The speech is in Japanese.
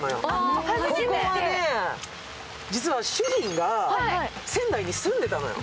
ここは実は、主人が仙台に住んでたのよ。